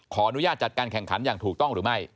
อนุญาตจัดการแข่งขันอย่างถูกต้องหรือไม่